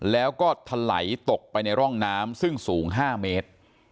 แล้วก็ถลายตกไปในร่องน้ำซึ่งสูง๕เมตร